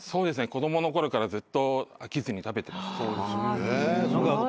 子供のころからずっと飽きずに食べてます。